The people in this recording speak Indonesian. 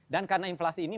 dan karena inflasi ini